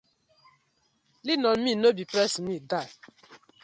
Lean on me, no be press me die: